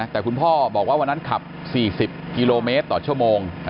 แต่คุณพ่อบอกว่าวันนั้นขับ๔๐กิโลเมตรต่อชั่วโมง